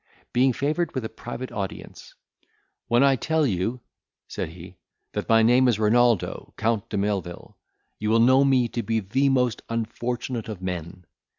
Being favoured with a private audience, "When I tell you," said he, "that my name is Renaldo Count de Melvil, you will know me to be the most unfortunate of men.